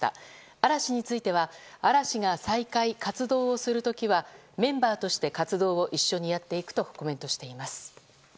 嵐については嵐が再開、活動をする時はメンバーとして活動を一緒にやっていくとコメントしています。